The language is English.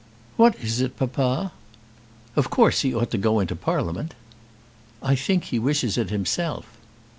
"What is it, papa?" "Of course he ought to go into Parliament." "I think he wishes it himself."